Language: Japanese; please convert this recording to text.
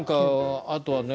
あとはね